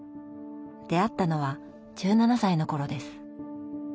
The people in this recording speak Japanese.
出会ったのは１７歳の頃です。